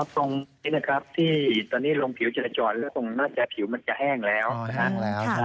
ตรงนี้นะครับที่ตอนนี้ลงผิวจะจอดแล้วตรงหน้าแผลผิวมันจะแห้งแล้ว